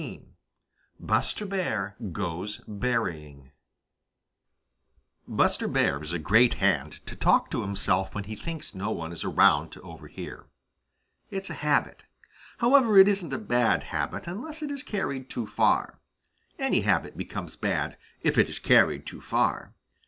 XVII BUSTER BEAR GOES BERRYING Buster Bear is a great hand to talk to himself when he thinks no one is around to overhear. It's a habit. However, it isn't a bad habit unless it is carried too far. Any habit becomes bad, if it is carried too far.